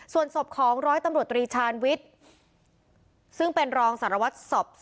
สวัสดีครับ